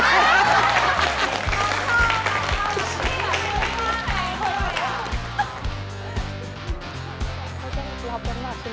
สงสัยสาวโจรปราบลงเท่าไหร่